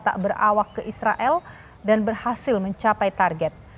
tak berawak ke israel dan berhasil mencapai target